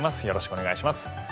よろしくお願いします。